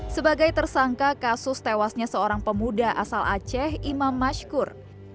sebagai tersangka kasus tewasnya seorang pemuda asal aceh imam mashkur